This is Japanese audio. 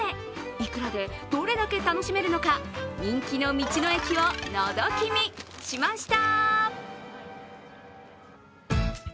いくらでどれだけ楽しめるのか人気の道の駅をのぞき見しました。